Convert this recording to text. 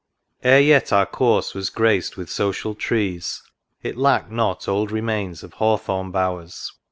Ere yet our course was graced with social trees It lacked not old remains of hawthorn bowers.